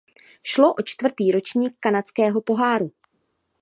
Šlo o čtvrtý ročník Kanadského poháru.